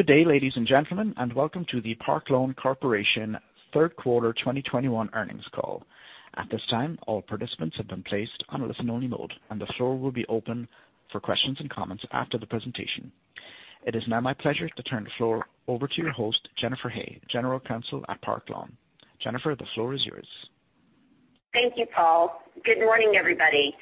Good day, ladies and gentlemen, and welcome to the Park Lawn Corporation Q3 2021 earnings call. At this time, all participants have been placed on a listen-only mode, and the floor will be open for questions and comments after the presentation. It is now my pleasure to turn the floor over to your host, Jennifer Hay, General Counsel at Park Lawn. Jennifer, the floor is yours. Thank you, Paul. Good morning, everybody.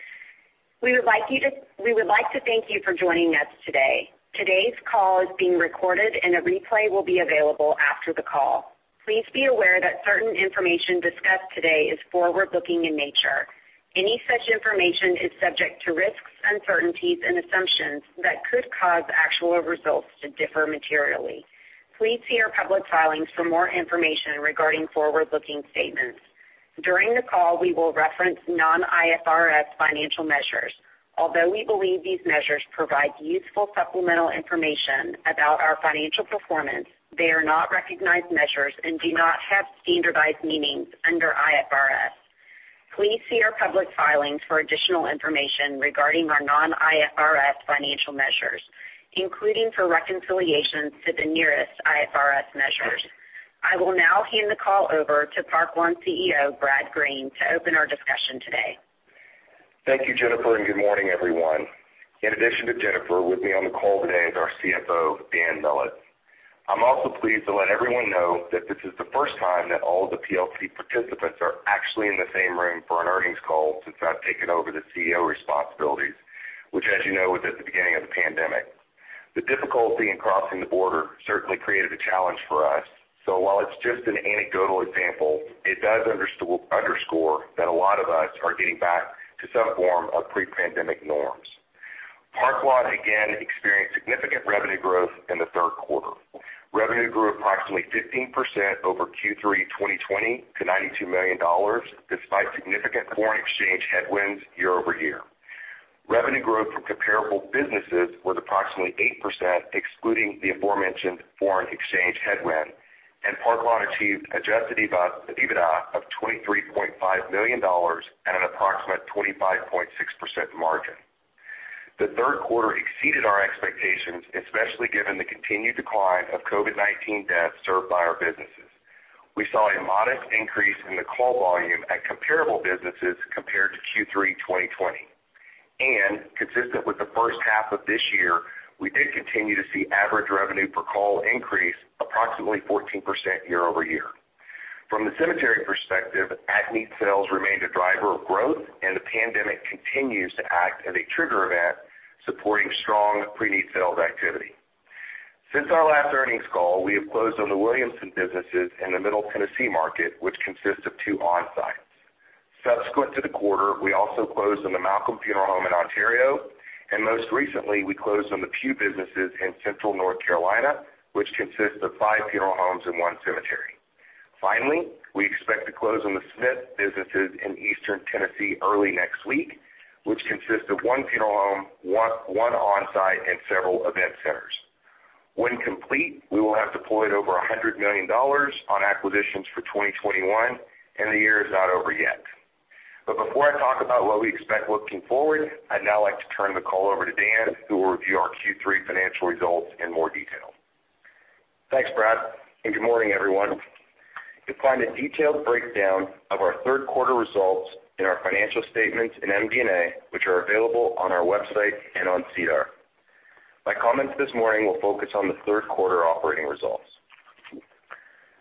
We would like to thank you for joining us today. Today's call is being recorded and a replay will be available after the call. Please be aware that certain information discussed today is forward-looking in nature. Any such information is subject to risks, uncertainties and assumptions that could cause actual results to differ materially. Please see our public filings for more information regarding forward-looking statements. During the call, we will reference non-IFRS financial measures. Although we believe these measures provide useful supplemental information about our financial performance, they are not recognized measures and do not have standardized meanings under IFRS. Please see our public filings for additional information regarding our non-IFRS financial measures, including for reconciliations to the nearest IFRS measures. I will now hand the call over to Park Lawn CEO, Brad Green, to open our discussion today. Thank you, Jennifer, and good morning, everyone. In addition to Jennifer, with me on the call today is our CFO, Dan Millett. I'm also pleased to let everyone know that this is the first time that all the PLC participants are actually in the same room for an earnings call since I've taken over the CEO responsibilities, which as you know, was at the beginning of the pandemic. The difficulty in crossing the border certainly created a challenge for us. While it's just an anecdotal example, it does underscore that a lot of us are getting back to some form of pre-pandemic norms. Park Lawn, again, experienced significant revenue growth in the third quarter. Revenue grew approximately 15% over Q3 2020 to CAD 92 million, despite significant foreign exchange headwinds year-over-year. Revenue growth from comparable businesses was approximately 8%, excluding the aforementioned foreign exchange headwind, and Park Lawn achieved adjusted EBITDA of 23.5 million dollars at an approximate 25.6% margin. The third quarter exceeded our expectations, especially given the continued decline of COVID-19 deaths served by our businesses. We saw a modest increase in the call volume at comparable businesses compared to Q3 2020. Consistent with the first half of this year, we did continue to see average revenue per call increase approximately 14% year-over-year. From the cemetery perspective, at-need sales remained a driver of growth, and the pandemic continues to act as a trigger event supporting strong pre-need sales activity. Since our last earnings call, we have closed on the Williamson businesses in the Middle Tennessee market, which consists of two on-sites. Subsequent to the quarter, we also closed on the Malcolm Funeral Home in Ontario, and most recently, we closed on the Pugh businesses in Central North Carolina, which consists of five funeral homes and one cemetery. Finally, we expect to close on the Smith businesses in Eastern Tennessee early next week, which consists of one funeral home, one on-site and several event centers. When complete, we will have deployed over $100 million on acquisitions for 2021, and the year is not over yet. Before I talk about what we expect looking forward, I'd now like to turn the call over to Dan, who will review our Q3 financial results in more detail. Thanks, Brad, and good morning, everyone. You'll find a detailed breakdown of our third quarter results in our financial statements in MD&A, which are available on our website and on SEDAR. My comments this morning will focus on the third quarter operating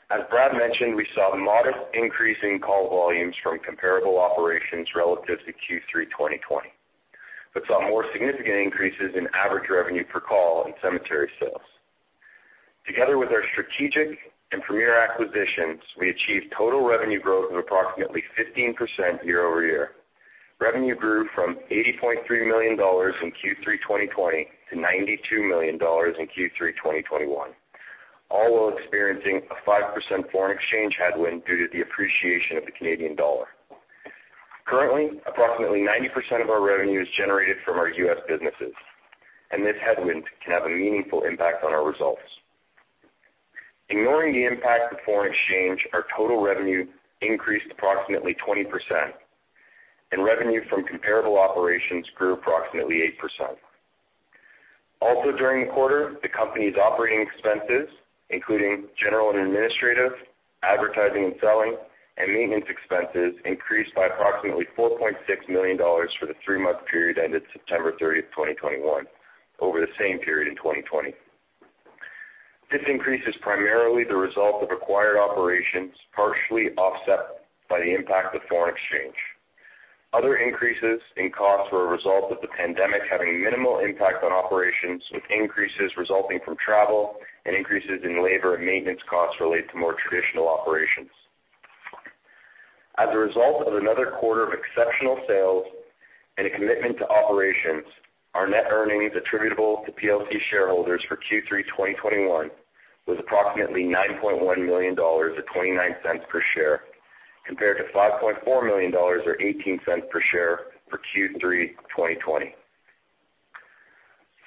results. As Brad mentioned, we saw a modest increase in call volumes from comparable operations relative to Q3 2020, but saw more significant increases in average revenue per call and cemetery sales. Together with our strategic and premier acquisitions, we achieved total revenue growth of approximately 15% year-over-year. Revenue grew from 80.3 million dollars in Q3 2020 to 92 million dollars in Q3 2021, all while experiencing a 5% foreign exchange headwind due to the appreciation of the Canadian dollar. Currently, approximately 90% of our revenue is generated from our U.S. businesses, and this headwind can have a meaningful impact on our results. Ignoring the impact of foreign exchange, our total revenue increased approximately 20% and revenue from comparable operations grew approximately 8%. During the quarter, the company's operating expenses, including general and administrative, advertising and selling, and maintenance expenses, increased by approximately 4.6 million dollars for the 3-month period ended September 30, 2021 over the same period in 2020. This increase is primarily the result of acquired operations, partially offset by the impact of foreign exchange. Other increases in costs were not a result of the pandemic having minimal impact on operations, with increases resulting from travel and increases in labor and maintenance costs related to more traditional operations. As a result of another quarter of exceptional sales and a commitment to operations, our net earnings attributable to PLC shareholders for Q3 2021 was approximately 9.1 million dollars or 0.29 per share, compared to 5.4 million dollars or 0.18 per share for Q3 2020.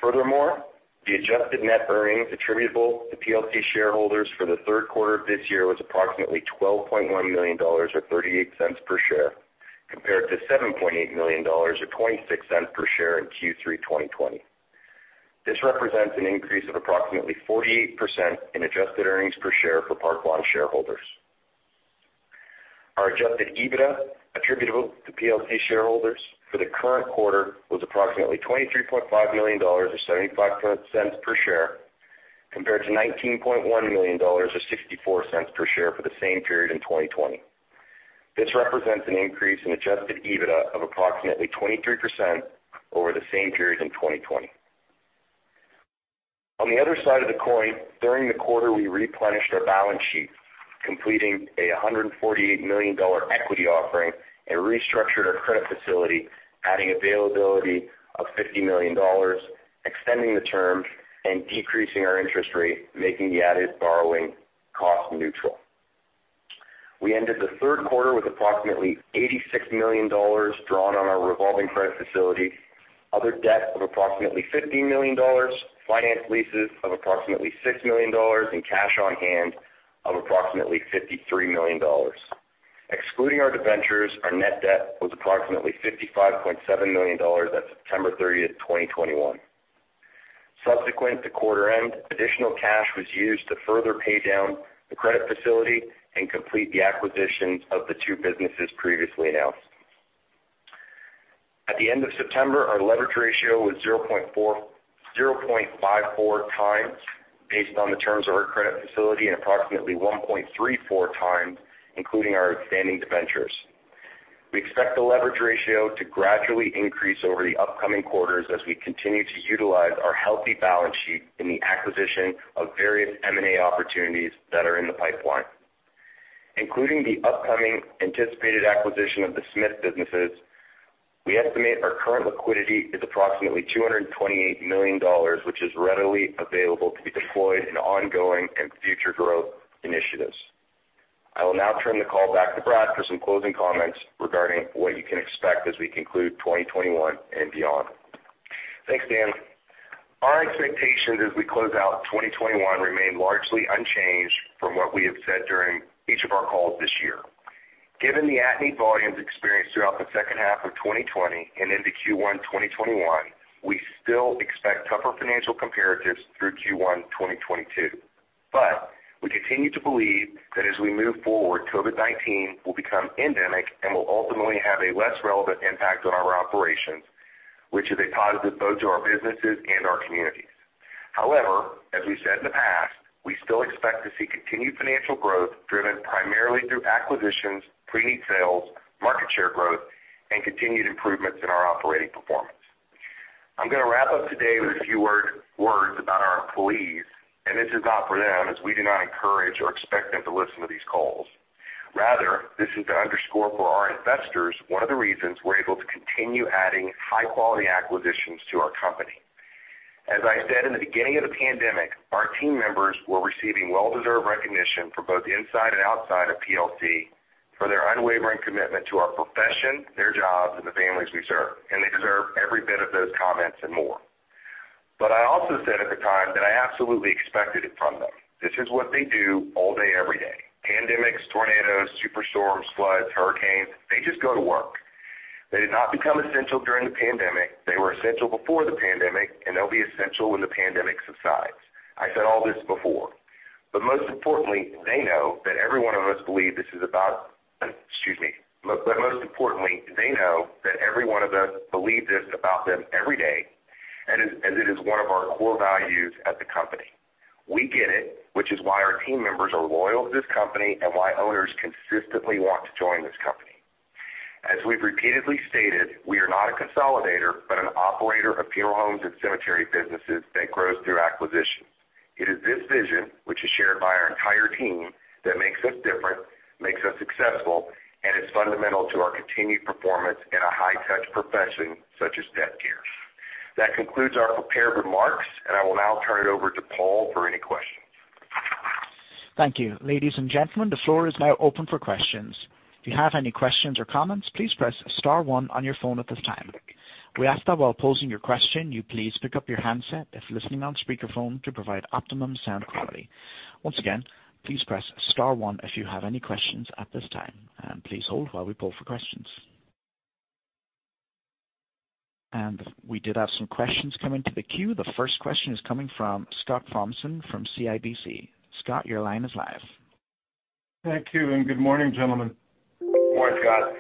Furthermore, the adjusted net earnings attributable to PLC shareholders for the third quarter of this year was approximately 12.1 million dollars or 0.38 per share, compared to 7.8 million dollars or 0.26 per share in Q3 2020. This represents an increase of approximately 48% in adjusted earnings per share for Park Lawn shareholders. Our adjusted EBITDA attributable to PLC shareholders for the current quarter was approximately 23.5 million dollars or 0.75 per share, compared to 19.1 million dollars or 0.64 per share for the same period in 2020. This represents an increase in adjusted EBITDA of approximately 23% over the same period in 2020. On the other side of the coin, during the quarter, we replenished our balance sheet, completing a 148 million dollar equity offering and restructured our credit facility, adding availability of 50 million dollars, extending the term and decreasing our interest rate, making the added borrowing cost neutral. We ended the third quarter with approximately 86 million dollars drawn on our revolving credit facility, other debt of approximately 15 million dollars, finance leases of approximately 6 million dollars and cash on hand of approximately 53 million dollars. Excluding our debentures, our net debt was approximately 55.7 million dollars at September 30, 2021. Subsequent to quarter end, additional cash was used to further pay down the credit facility and complete the acquisition of the two businesses previously announced. At the end of September, our leverage ratio was 0.54x based on the terms of our credit facility, and approximately 1.34x, including our outstanding debentures. We expect the leverage ratio to gradually increase over the upcoming quarters as we continue to utilize our healthy balance sheet in the acquisition of various M&A opportunities that are in the pipeline. Including the upcoming anticipated acquisition of the Smith businesses, we estimate our current liquidity is approximately 228 million dollars, which is readily available to be deployed in ongoing and future growth initiatives. I will now turn the call back to Brad for some closing comments regarding what you can expect as we conclude 2021 and beyond. Thanks, Dan. Our expectations as we close out 2021 remain largely unchanged from what we have said during each of our calls this year. Given the at-need volumes experienced throughout the second half of 2020 and into Q1 2021, we still expect tougher financial comparatives through Q1 2022. We continue to believe that as we move forward, COVID-19 will become endemic and will ultimately have a less relevant impact on our operations, which is a positive both to our businesses and our communities. However, as we said in the past, we still expect to see continued financial growth driven primarily through acquisitions, pre-need sales, market share growth, and continued improvements in our operating performance. I'm gonna wrap up today with a few words about our employees, and this is not for them, as we do not encourage or expect them to listen to these calls. Rather, this is to underscore for our investors one of the reasons we're able to continue adding high-quality acquisitions to our company. As I said in the beginning of the pandemic, our team members were receiving well-deserved recognition from both inside and outside of PLC for their unwavering commitment to our profession, their jobs, and the families we serve, and they deserve every bit of those comments and more. I also said at the time that I absolutely expected it from them. This is what they do all day, every day. Pandemics, tornadoes, super storms, floods, hurricanes, they just go to work. They did not become essential during the pandemic. They were essential before the pandemic, and they'll be essential when the pandemic subsides. I said all this before, but most importantly, they know that every one of us believe this is about. Excuse me, but most importantly, they know that every one of us believe this about them every day and as it is one of our core values as a company. We get it, which is why our team members are loyal to this company and why owners consistently want to join this company. As we've repeatedly stated, we are not a consolidator but an operator of funeral homes and cemetery businesses that grows through acquisitions. It is this vision, which is shared by our entire team, that makes us different, makes us successful, and is fundamental to our continued performance in a high-touch profession such as death care. That concludes our prepared remarks, and I will now turn it over to Paul for any questions. Thank you. Ladies and gentlemen, the floor is now open for questions. If you have any questions or comments, please press star one on your phone at this time. We ask that while posing your question, you please pick up your handset if listening on speakerphone to provide optimum sound quality. Once again, please press star one if you have any questions at this time. Please hold while we poll for questions. We did have some questions come into the queue. The first question is coming from Scott Thompson from CIBC. Scott, your line is live. Thank you, and good morning, gentlemen. Morning, Scott.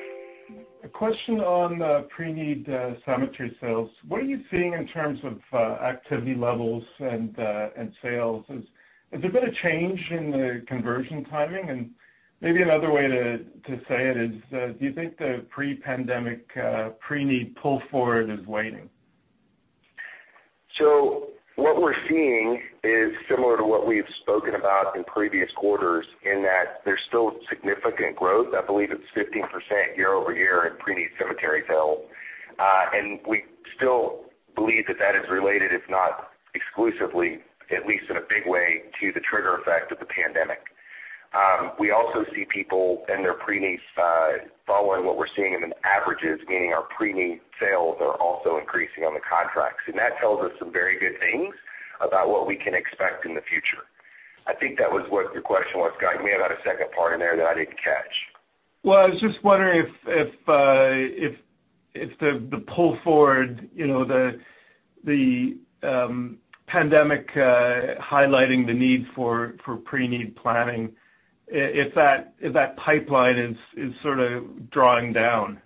A question on pre-need cemetery sales. What are you seeing in terms of activity levels and sales? Has there been a change in the conversion timing? Maybe another way to say it is, do you think the pre-pandemic pre-need pull forward is waning? What we're seeing is similar to what we've spoken about in previous quarters, in that there's still significant growth. I believe it's 15% year-over-year in pre-need cemetery sales. We still believe that is related, if not exclusively, at least in a big way, to the trigger effect of the pandemic. We also see people in their pre-needs following what we're seeing in the averages, meaning our pre-need sales are also increasing on the contracts. That tells us some very good things about what we can expect in the future. I think that was what your question was, Scott. You may have had a second part in there that I didn't catch. Well, I was just wondering if the pull forward, you know, the pandemic highlighting the need for pre-need planning, if that pipeline is sort of drawing down.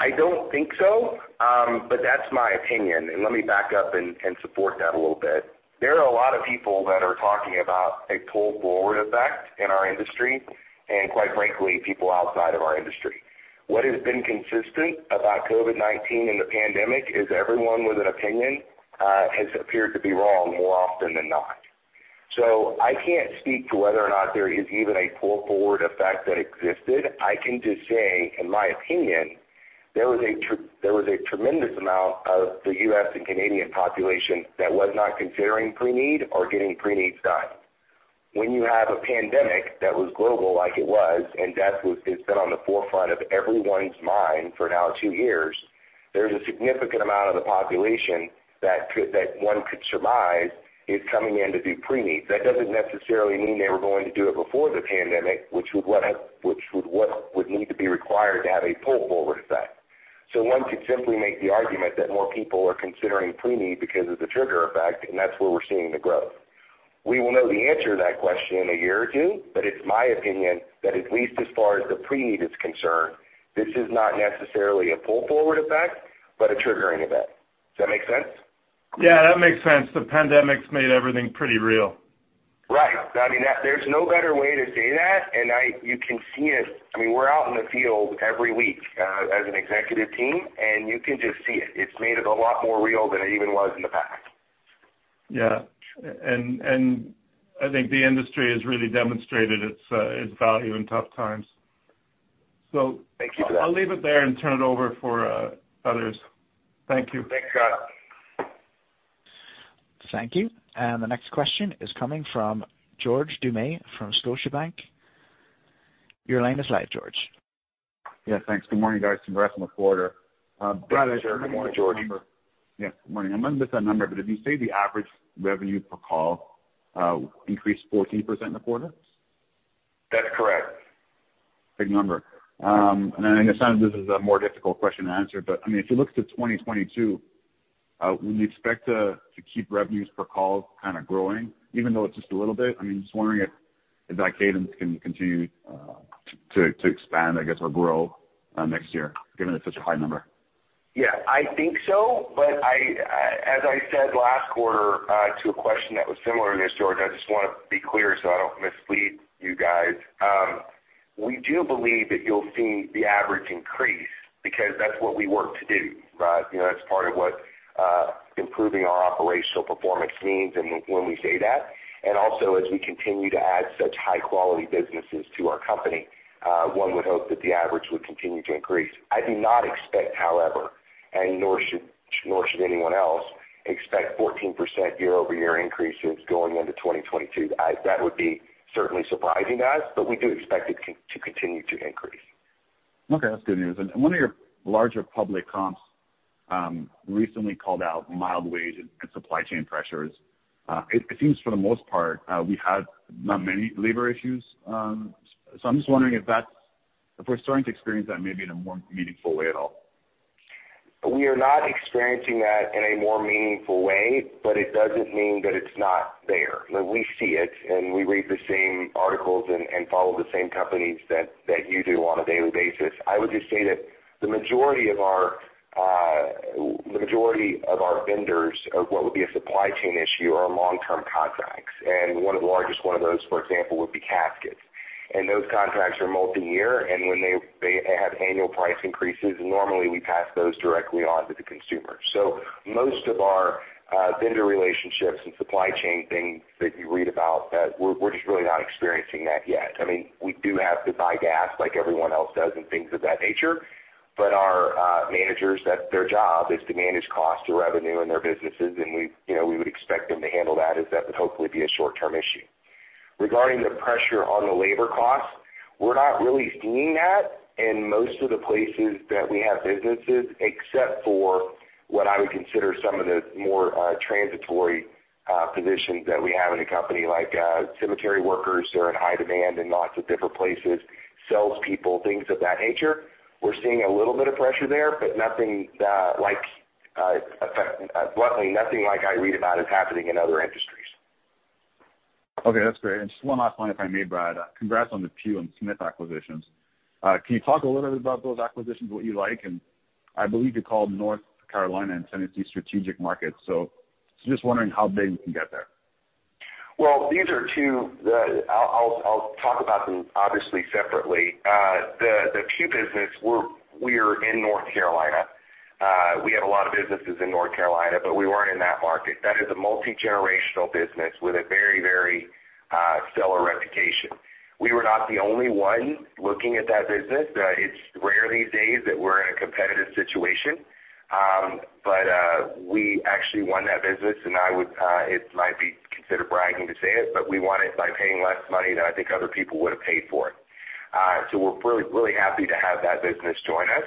I don't think so, but that's my opinion. Let me back up and support that a little bit. There are a lot of people that are talking about a pull-forward effect in our industry and quite frankly, people outside of our industry. What has been consistent about COVID-19 and the pandemic is everyone with an opinion has appeared to be wrong more often than not. I can't speak to whether or not there is even a pull-forward effect that existed. I can just say, in my opinion, there was a tremendous amount of the U.S. and Canadian population that was not considering pre-need or getting pre-needs done. When you have a pandemic that was global, like it was, and death has been on the forefront of everyone's mind for now 2 years, there's a significant amount of the population that one could surmise is coming in to do pre-need. That doesn't necessarily mean they were going to do it before the pandemic, which would need to be required to have a pull-forward effect. One could simply make the argument that more people are considering pre-need because of the trigger effect, and that's where we're seeing the growth. We will know the answer to that question in a year or two, but it's my opinion that at least as far as the pre-need is concerned, this is not necessarily a pull-forward effect, but a triggering event. Does that make sense? Yeah, that makes sense. The pandemic's made everything pretty real. Right. I mean, there's no better way to say that, and I. You can see it. I mean, we're out in the field every week, as an executive team, and you can just see it. It's made it a lot more real than it even was in the past. I think the industry has really demonstrated its value in tough times. Thank you. I'll leave it there and turn it over for others. Thank you. Thanks, Scott. Thank you. The next question is coming from George Doumet from Scotiabank. Your line is live, George. Yeah, thanks. Good morning, guys. Congrats on the quarter. Brad, good morning, George. Yeah, good morning. I might have missed that number, but did you say the average revenue per call increased 14% in the quarter? That's correct. Big number. I know it sounds like this is a more difficult question to answer, but, I mean, if you look to 2022, would you expect to keep revenues per call kind of growing even though it's just a little bit? I mean, just wondering if that cadence can continue to expand, I guess, or grow next year, given it's such a high number. Yeah, I think so. I, as I said last quarter, to a question that was similar to this, George, I just wanna be clear so I don't mislead you guys. We do believe that you'll see the average increase because that's what we work to do. You know, that's part of what improving our operational performance means and when we say that. Also, as we continue to add such high quality businesses to our company, one would hope that the average would continue to increase. I do not expect, however, nor should anyone else expect 14% year-over-year increases going into 2022. That would be certainly surprising to us, but we do expect it to continue to increase. Okay, that's good news. One of your larger public comps recently called out mild wage and supply chain pressures. It seems for the most part, we have not many labor issues. I'm just wondering if we're starting to experience that maybe in a more meaningful way at all. We are not experiencing that in a more meaningful way, but it doesn't mean that it's not there. We see it, and we read the same articles and follow the same companies that you do on a daily basis. I would just say that the majority of our vendors of what would be a supply chain issue are on long-term contracts, and one of the largest of those, for example, would be caskets. Those contracts are multi-year, and when they have annual price increases, normally we pass those directly on to the consumer. Most of our vendor relationships and supply chain things that you read about, we're just really not experiencing that yet. I mean, we do have to buy gas like everyone else does and things of that nature. Our managers, that's their job is to manage cost to revenue in their businesses, and we, you know, we would expect them to handle that as that would hopefully be a short-term issue. Regarding the pressure on the labor costs, we're not really seeing that in most of the places that we have businesses, except for what I would consider some of the more transitory positions that we have in the company, like, cemetery workers are in high demand in lots of different places, salespeople, things of that nature. We're seeing a little bit of pressure there, but nothing, like, luckily, nothing like I read about is happening in other industries. Okay, that's great. Just one last one if I may, Brad. Congrats on the Pugh and Smith acquisitions. Can you talk a little bit about those acquisitions, what you like? I believe you called North Carolina and Tennessee strategic markets, so just wondering how big you can get there. Well, these are two. I'll talk about them obviously separately. The Pugh business, we are in North Carolina. We have a lot of businesses in North Carolina, but we weren't in that market. That is a multi-generational business with a very stellar reputation. We were not the only one looking at that business. It's rare these days that we're in a competitive situation. We actually won that business, and it might be considered bragging to say it, but we won it by paying less money than I think other people would have paid for it. We're really happy to have that business join us.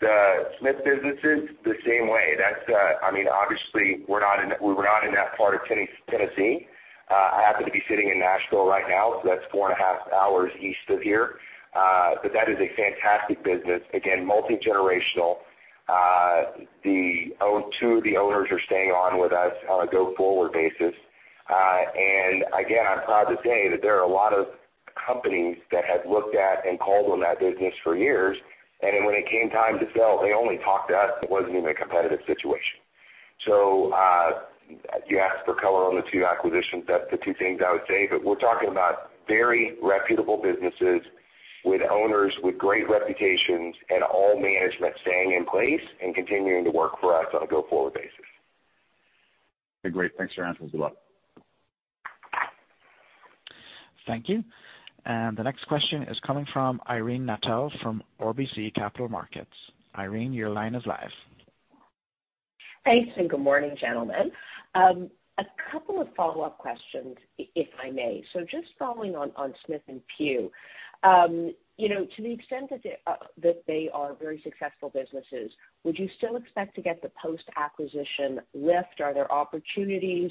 The Smith businesses, the same way. That's, I mean, obviously we were not in that part of Tennessee. I happen to be sitting in Nashville right now, so that's 4.5 hours east of here. That is a fantastic business. Again, multi-generational. Two of the owners are staying on with us on a go-forward basis. Again, I'm proud to say that there are a lot of companies that have looked at and called on that business for years, and then when it came time to sell, they only talked to us. It wasn't even a competitive situation. You asked for color on the two acquisitions. That's the two things I would say, but we're talking about very reputable businesses with owners with great reputations and all management staying in place and continuing to work for us on a go-forward basis. Okay, great. Thanks for your answers. Good luck. Thank you. The next question is coming from Irene Nattel from RBC Capital Markets. Irene, your line is live. Thanks, and good morning, gentlemen. A couple of follow-up questions, if I may. Just following on Smith and Pugh, to the extent that they are very successful businesses, would you still expect to get the post-acquisition lift? Are there opportunities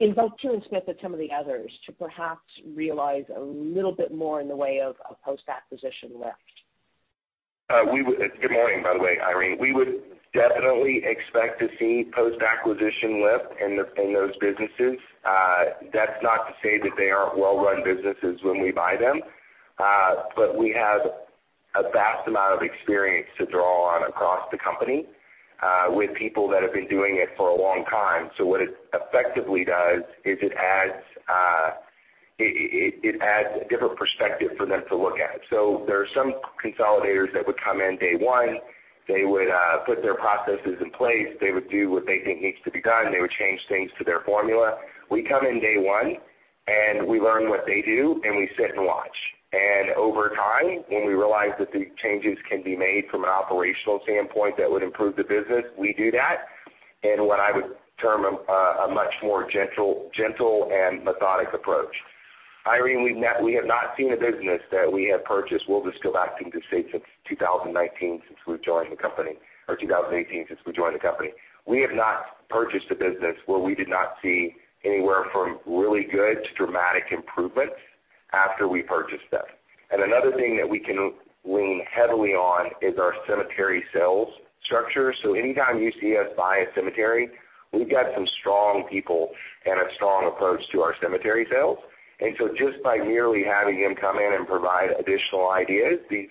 in both Pugh and Smith and some of the others to perhaps realize a little bit more in the way of a post-acquisition lift? Good morning, by the way, Irene. We would definitely expect to see post-acquisition lift in those businesses. That's not to say that they aren't well-run businesses when we buy them, but we have a vast amount of experience to draw on across the company with people that have been doing it for a long time. What it effectively does is it adds a different perspective for them to look at. There are some consolidators that would come in day one, they would put their processes in place, they would do what they think needs to be done, they would change things to their formula. We come in day one, and we learn what they do, and we sit and watch. Over time, when we realize that the changes can be made from an operational standpoint that would improve the business, we do that in what I would term a much more gentle and methodic approach. Irene, we have not seen a business that we have purchased. We'll just go back and just say since 2019, since we've joined the company, or 2018, since we joined the company, we have not purchased a business where we did not see anywhere from really good to dramatic improvements after we purchased them. Another thing that we can lean heavily on is our cemetery sales structure. Anytime you see us buy a cemetery, we've got some strong people and a strong approach to our cemetery sales. Just by merely having them come in and provide additional ideas, these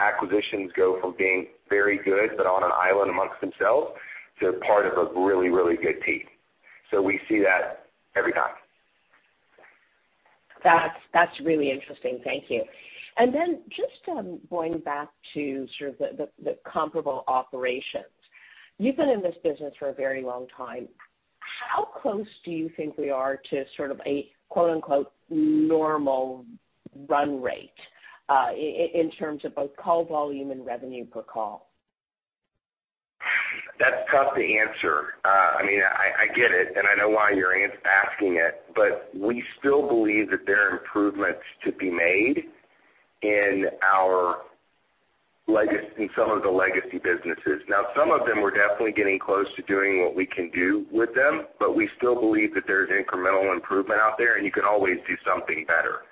acquisitions go from being very good, but on an island amongst themselves to part of a really, really good team. We see that every time. That's really interesting. Thank you. Then just going back to sort of the comparable operations. You've been in this business for a very long time. How close do you think we are to sort of a quote, unquote, "normal run rate," in terms of both call volume and revenue per call? That's tough to answer. I mean, I get it, and I know why you're asking it, but we still believe that there are improvements to be made in some of the legacy businesses. Now, some of them, we're definitely getting close to doing what we can do with them, but we still believe that there's incremental improvement out there, and you can always do something better.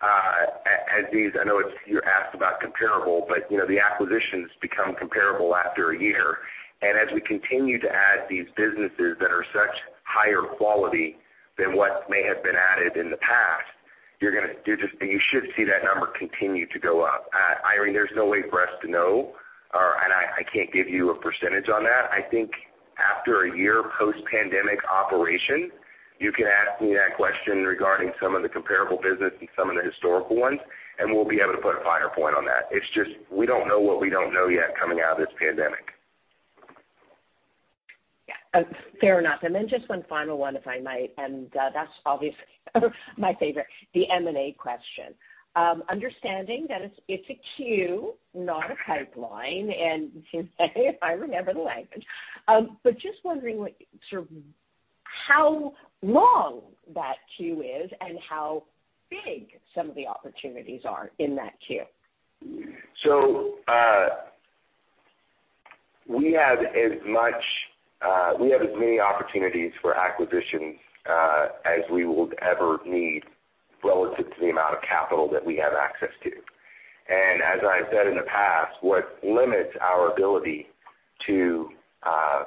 I know it's, you asked about comparable, but you know, the acquisitions become comparable after a year. As we continue to add these businesses that are such higher quality than what may have been added in the past, you should see that number continue to go up. Irene, there's no way for us to know, and I can't give you a percentage on that. I think after a year post-pandemic operation, you can ask me that question regarding some of the comparable business and some of the historical ones, and we'll be able to put a finer point on that. It's just we don't know what we don't know yet coming out of this pandemic. Yeah. Fair enough. Then just one final one, if I might, and that's obviously my favorite, the M&A question. Understanding that it's a queue, not a pipeline, and you say, if I remember the language, but just wondering how long that queue is and how big some of the opportunities are in that queue. We have as many opportunities for acquisitions as we would ever need relative to the amount of capital that we have access to. As I've said in the past, what limits our ability to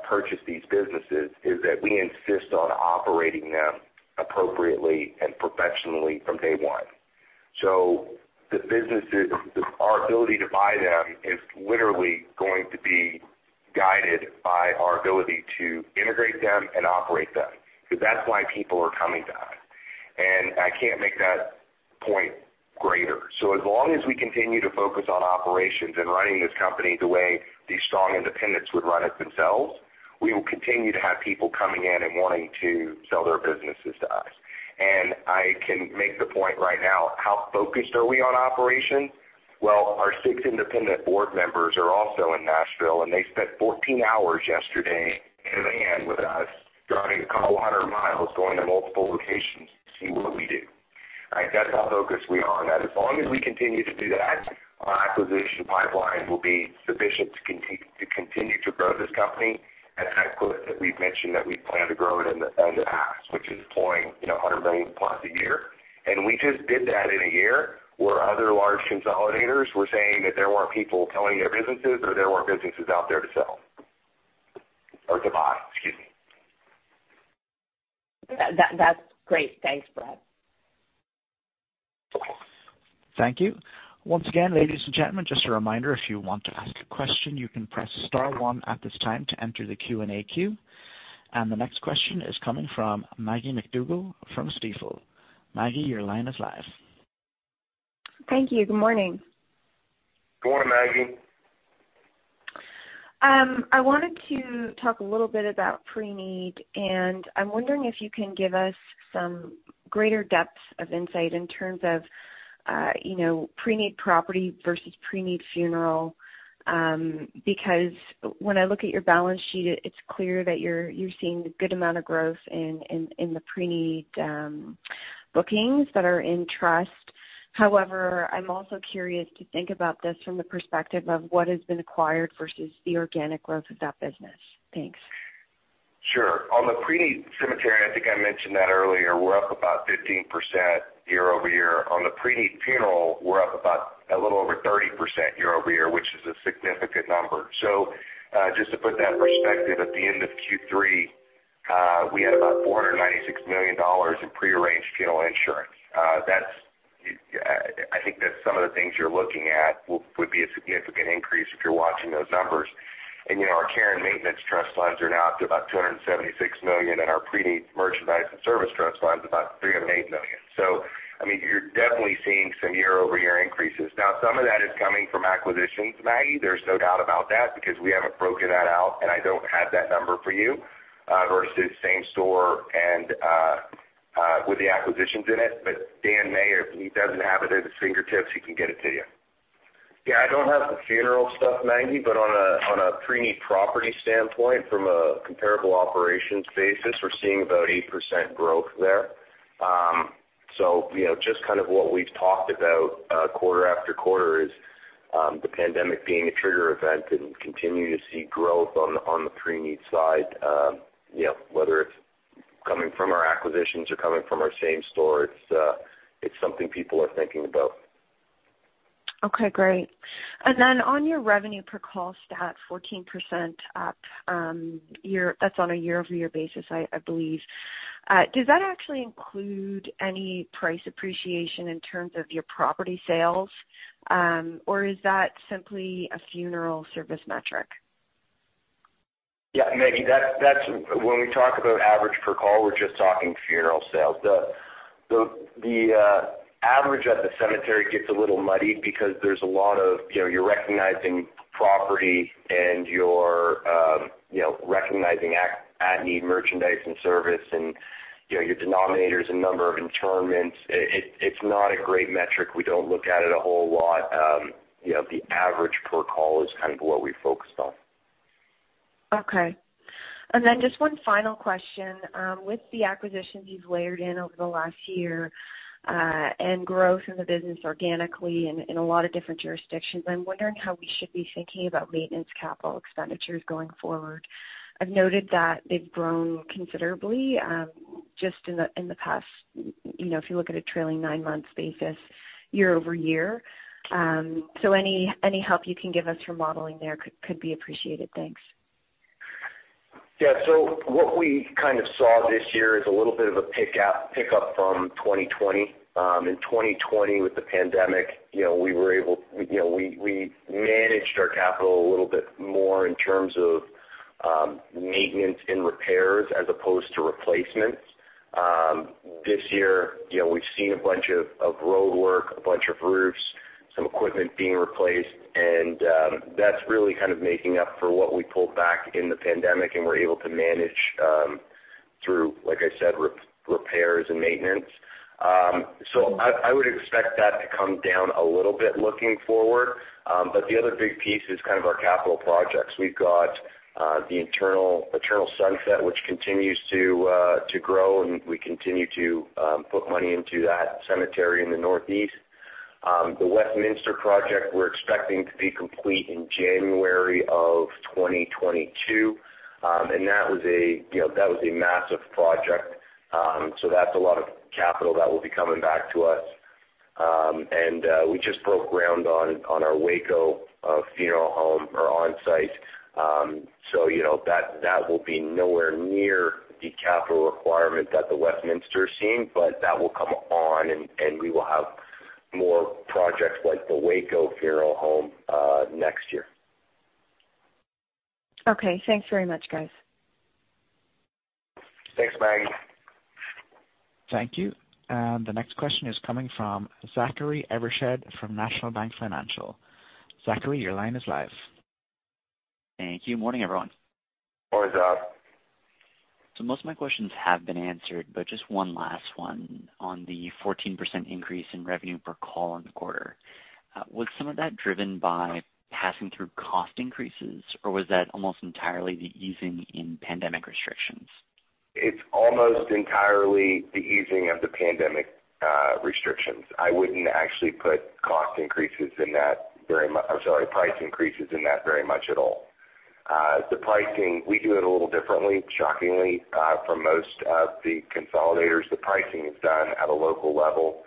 purchase these businesses is that we insist on operating them appropriately and professionally from day one. The businesses, our ability to buy them is literally going to be guided by our ability to integrate them and operate them, because that's why people are coming to us. I can't make that point greater. As long as we continue to focus on operations and running this company the way these strong independents would run it themselves, we will continue to have people coming in and wanting to sell their businesses to us. I can make the point right now, how focused are we on operations? Well, our six independent board members are also in Nashville, and they spent 14 hours yesterday hand in hand with us, driving a couple hundred miles, going to multiple locations to see what we do. Right? That's how focused we are on that. As long as we continue to do that, our acquisition pipeline will be sufficient to continue to grow this company at the outputs that we've mentioned, that we plan to grow it in the, in the past, which is deploying, you know, 100 million plus a year. We just did that in a year where other large consolidators were saying that there weren't people selling their businesses or there weren't businesses out there to sell or to buy. Excuse me. That, that's great. Thanks, Brad. Thank you. Once again, ladies and gentlemen, just a reminder, if you want to ask a question, you can press star one at this time to enter the Q&A queue. The next question is coming from Maggie MacDougall from Stifel. Maggie, your line is live. Thank you. Good morning. Good morning, Maggie. I wanted to talk a little bit about pre-need, and I'm wondering if you can give us some greater depth of insight in terms of, you know, pre-need property versus pre-need funeral. Because when I look at your balance sheet, it's clear that you're seeing a good amount of growth in the pre-need bookings that are in trust. However, I'm also curious to think about this from the perspective of what has been acquired versus the organic growth of that business. Thanks. Sure. On the pre-need cemetery, I think I mentioned that earlier, we're up about 15% year-over-year. On the pre-need funeral, we're up about a little over 30% year-over-year, which is a significant number. Just to put that in perspective, at the end of Q3, we had about 496 million dollars in pre-arranged funeral insurance. That's, I think that some of the things you're looking at would be a significant increase if you're watching those numbers. You know, our care and maintenance trust funds are now up to about 276 million, and our pre-need merchandise and service trust fund is about 308 million. I mean, you're definitely seeing some year-over-year increases. Now some of that is coming from acquisitions, Maggie. There's no doubt about that, because we haven't broken that out, and I don't have that number for you, versus same store and with the acquisitions in it. But Dan Millett, if he doesn't have it at his fingertips, he can get it to you. Yeah, I don't have the funeral stuff, Maggie, but on a pre-need property standpoint from a comparable operations basis, we're seeing about 8% growth there. You know, just kind of what we've talked about, quarter after quarter is the pandemic being a trigger event and continue to see growth on the pre-need side. You know, whether it's coming from our acquisitions or coming from our same store, it's something people are thinking about. Okay, great. On your revenue per call stat, 14% up, that's on a year-over-year basis, I believe. Does that actually include any price appreciation in terms of your property sales, or is that simply a funeral service metric? Yeah, Maggie, that's when we talk about average per call, we're just talking funeral sales. The average at the cemetery gets a little muddy because there's a lot of, you know, you're recognizing property and you're, you know, recognizing at-need merchandise and service and, you know, your denominator is a number of interments. It's not a great metric. We don't look at it a whole lot. You know, the average per call is kind of what we focused on. Okay. Just one final question. With the acquisitions you've layered in over the last year, and growth in the business organically in a lot of different jurisdictions, I'm wondering how we should be thinking about maintenance capital expenditures going forward. I've noted that they've grown considerably, just in the past, you know, if you look at a trailing 9-month basis year-over-year. Any help you can give us for modeling there could be appreciated. Thanks. Yeah. What we kind of saw this year is a little bit of a pick up from 2020. In 2020 with the pandemic, you know, we were able, you know, we managed our capital a little bit more in terms of maintenance and repairs as opposed to replacements. This year, you know, we've seen a bunch of roadwork, a bunch of roofs, some equipment being replaced, and that's really kind of making up for what we pulled back in the pandemic and we're able to manage through, like I said, repairs and maintenance. I would expect that to come down a little bit looking forward. The other big piece is kind of our capital projects. We've got Eternal Sunset, which continues to grow, and we continue to put money into that cemetery in the Northeast. The Westminster project we're expecting to be complete in January of 2022. That was a massive project. You know, that's a lot of capital that will be coming back to us. We just broke ground on our Waco funeral home or on-site. You know, that will be nowhere near the capital requirement that the Westminster is seeing, but that will come on, and we will have more projects like the Waco funeral home next year. Okay. Thanks very much, guys. Thanks, Maggie. Thank you. The next question is coming from Zachary Evershed from National Bank Financial. Zachary, your line is live. Thank you. Good morning, everyone. Morning, Zach. Most of my questions have been answered, but just one last one on the 14% increase in revenue per call in the quarter. Was some of that driven by passing through cost increases, or was that almost entirely the easing in pandemic restrictions? It's almost entirely the easing of the pandemic restrictions. I wouldn't actually put cost increases in that very much. I'm sorry, price increases in that very much at all. The pricing, we do it a little differently. Shockingly, for most of the consolidators, the pricing is done at a local level,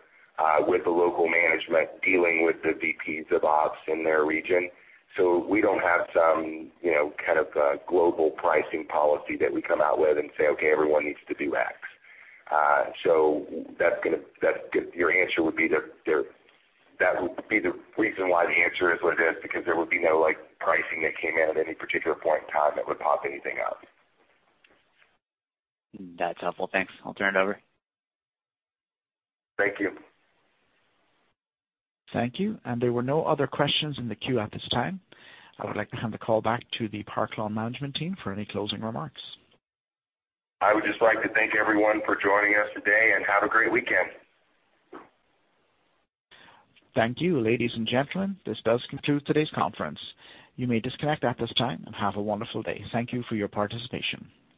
with the local management dealing with the VPs of Ops in their region. We don't have some, you know, kind of a global pricing policy that we come out with and say, okay, everyone needs to do X. That's your answer would be there, that would be the reason why the answer is what it is, because there would be no like, pricing that came in at any particular point in time that would pop anything up. That's helpful. Thanks. I'll turn it over. Thank you. Thank you. There were no other questions in the queue at this time. I would like to hand the call back to the Park Lawn management team for any closing remarks. I would just like to thank everyone for joining us today, and have a great weekend. Thank you. Ladies and gentlemen, this does conclude today's conference. You may disconnect at this time, and have a wonderful day. Thank you for your participation.